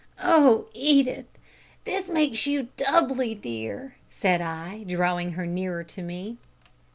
"Oh, Edith! this makes you doubly dear," said I, drawing her nearer to me.